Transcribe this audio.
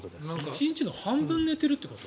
１日の半分寝てるってこと？